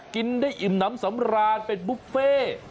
กินได้อิ่มน้ำสำราญเป็นบุฟเฟ่